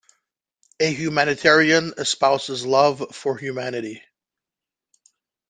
A humanitarian espouses love for humanity.